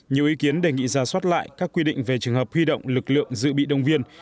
nhiều ý kiến đề nghị ra soát lại các quy định về trường hợp huy động lực lượng dự bị đồng viên